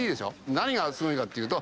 何がすごいかっていうと。